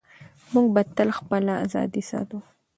موږ به تل خپله ازادي ساتو.